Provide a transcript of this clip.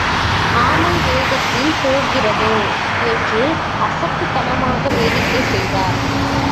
ஆமை வேகத்தில் போகிறதோ என்று அசட்டுத்தனமாக வேடிக்கை செய்தார்.